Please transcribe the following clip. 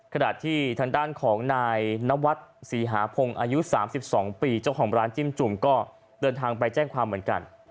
ขณะที่ทางด้านของนายนวัดศรีหาพงศ์อายุ๓๒ปีเจ้าของร้านจิ้มจุ่มก็เดินทางไปแจ้งความเหมือนกัน